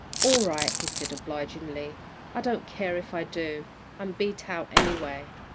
"All right," he said, obligingly. "I don't care if I do. I'm beat out, anyway."